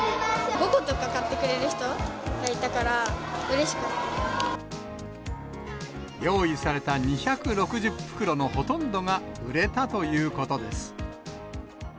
５個とか買ってくれる人がい用意された２６０袋のほとんどが売れたということです。